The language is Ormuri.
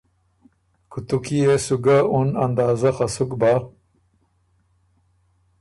کُوتُو کی يې سو ګۀ اُن اندازۀ خه سُک بۀ۔